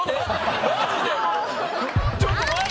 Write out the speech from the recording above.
ちょっと待って！